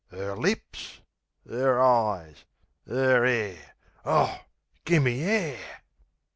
'Er lips! 'Er eyes! 'Er hair!... Oh, gimme air!